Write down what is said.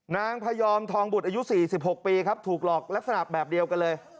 พยอมทองบุตรอายุ๔๖ปีครับถูกหลอกลักษณะแบบเดียวกันเลย